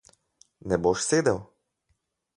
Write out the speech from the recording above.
Ne boš sedel?